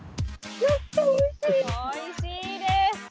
おいしいです！